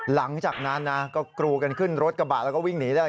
หลังจากนั้นนะก็กรูกันขึ้นรถกระบะแล้วก็วิ่งหนีได้